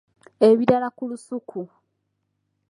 Ebirala ku lusuku.